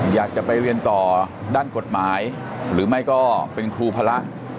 อยากจะไปเรียนต่อด้านกฎหมายหรือไม่ก็เป็นครูพระ